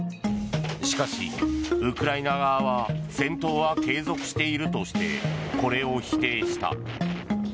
しかしウクライナ側は戦闘は継続しているとしてこれを否定した。